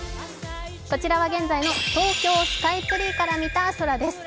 こちらは現在の東京スカイツリーから見た空です。